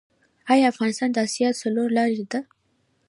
آیا افغانستان د اسیا څلور لارې ده؟